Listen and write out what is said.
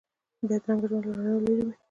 بدرنګه ژوند له رڼا لرې وي